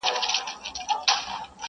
چي زموږ پر خاوره یرغلونه کیږي!!